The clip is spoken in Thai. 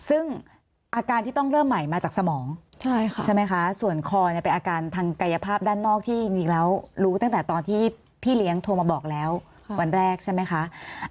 ซึ่งอาการที่ต้องเริ่มใหม่มาจากสมองใช่ไหมคะส่วนคอเนี่ยเป็นอาการทางกายภาพด้านนอกที่จริงแล้วรู้ตั้งแต่ตอนที่พี่เลี้ยงโทรมาบอกแล้ววันแรกใช่ไหมคะ